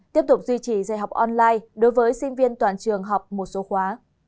tiếp tục duy trì dạy học online đối với sinh viên toàn trường học một số khóa